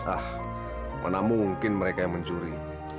ah mana mungkin mereka yang mencuri